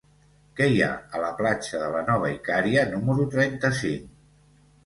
Què hi ha a la platja de la Nova Icària número trenta-cinc?